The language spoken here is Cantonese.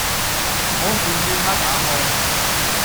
我示意他打開